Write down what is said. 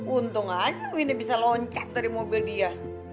untung aja ini bisa loncat dari mobil dia